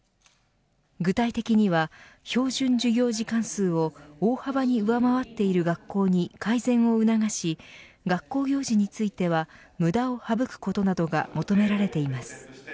具体的には、標準授業時間数を大幅に上回っている学校に改善を促し学校行事については無駄を省くことなどが求められています。